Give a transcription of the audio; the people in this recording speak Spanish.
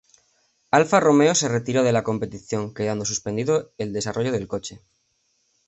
Alfa Romeo se retiró de la competición, quedando suspendido el desarrollo del coche.